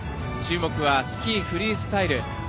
注目は、スキー・フリースタイル。